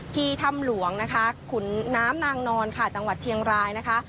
ที่ถ้ำหลวงนะคะขุนน้ำนางนอนค่ะจังหวัดเชียงรายนะคะ